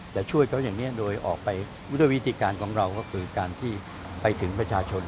จะช่วยเขาอย่างนี้โดยออกไปด้วยวิธีการของเราก็คือการที่ไปถึงประชาชน